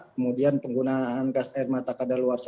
kemudian penggunaan gas air mata keadaan luar